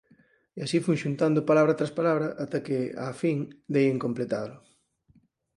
E así fun xuntando palabra tras palabra, ata que, á fin, dei en completalo.